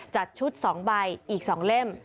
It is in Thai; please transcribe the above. จัดชุด๒ใบอีก๒เล่ม